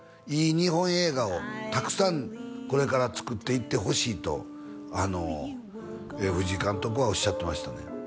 いい日本映画をたくさんこれから作っていってほしいとあの藤井監督はおっしゃってましたね